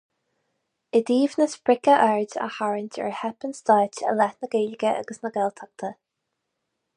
I dtaobh na sprice aird a tharraingt ar theip an Stáit i leith na Gaeilge agus na Gaeltachta.